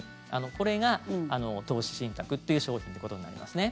これが投資信託っていう商品ってことになりますね。